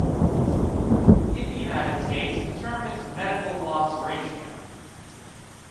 In the United States, the term is "medical loss ratio".